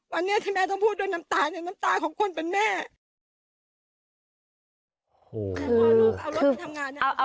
วันนี้ที่แม่ต้องพูดด้วยน้ำตาน้ำตาของคนเป็นแม่